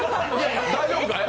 大丈夫かい？